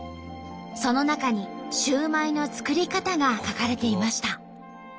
その中にシューマイの作り方が書かれていました。